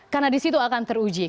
karena disitu akan terujung